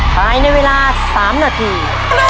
ภายในเวลา๓นาที